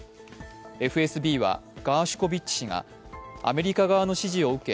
ＦＳＢはガーシュコビッチ氏がアメリカ側の指示を受け